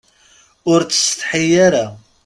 Ur ttsetḥi ara.